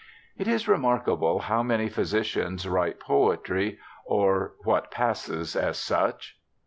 It is remarkable how many phj^sicians write poetry, or what passes as such.